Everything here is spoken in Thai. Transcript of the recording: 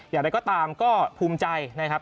อย่างไรก็ตามก็ภูมิใจนะครับ